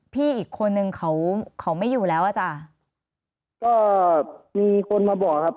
พี่อีกคนนึงเขาเขาไม่อยู่แล้วอ่ะจ้ะก็มีคนมาบอกครับ